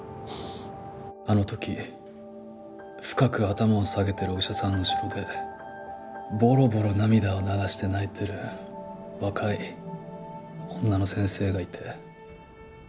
あの時深く頭を下げてるお医者さんの後ろでボロボロ涙を流して泣いてる若い女の先生がいて。